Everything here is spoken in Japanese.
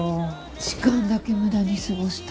時間だけ無駄に過ごした。